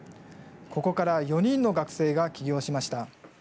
ここから４人の学生が起業しました。